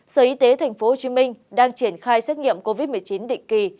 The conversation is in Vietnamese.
sở y tế tp hcm đang triển khai xét nghiệm covid một mươi chín định kỳ